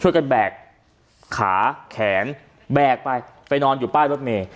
แบกขาแขนแบกไปไปนอนอยู่ป้ายรถเมย์